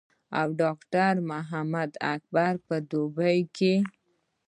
او ډاکټر محمد اکبر پۀ دوبۍ کښې